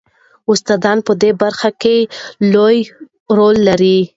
استادان په دې برخه کې لوی رول لري.